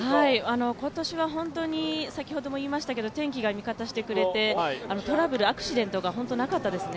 今年は本当に天気が味方してくれてトラブル、アクシデントが本当になかったですね